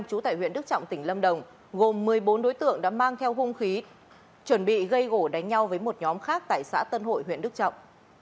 chú tại huyện đức trọng tỉnh lâm đồng gồm một mươi bốn đối tượng đã mang theo hung khí chuẩn bị gây gỗ đánh nhau với một nhóm khác tại xã tân hội huyện đức trọng